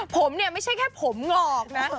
ผมเนี่ยไม่ใช่แค่ผมหงอกนะ